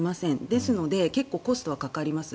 ですので、コストはかかります。